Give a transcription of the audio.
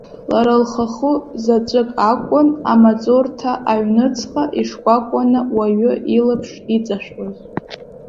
Лара лхахәы заҵәык акәын амаҵурҭа аҩныҵҟа ишкәакәаны уаҩы илаԥш иҵашәоз.